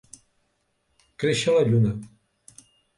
Créixer la lluna.